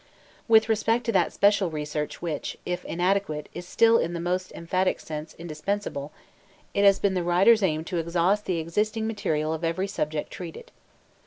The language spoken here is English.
With respect to that special research which, if inadequate, is still in the most emphatic sense indispensable, it has been the writer's aim to exhaust the existing material of every subject treated.